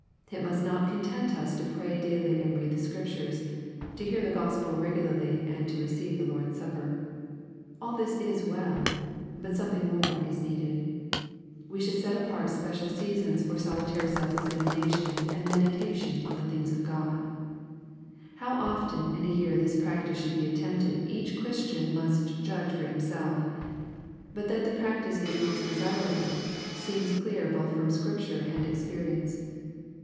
It must not content us to pray daily and read the Scriptures, — to hear the Gospel regularly and to receive the Lord's Supper. All this is well. But something more is needed. We should Bet apart special seasons for solitary self examination and meditation on the things of jGod. How often in a year this practice should be attempted each Christian must judge for himself But that the practice is most desirable seems clear both from Scripture and experience.